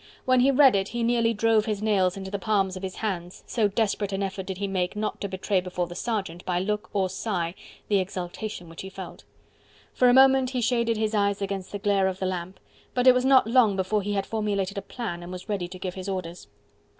When he read it he nearly drove his nails into the palms of his hands, so desperate an effort did he make not to betray before the sergeant by look or sigh the exultation which he felt. For a moment he shaded his eyes against the glare of the lamp, but it was not long before he had formulated a plan and was ready to give his orders.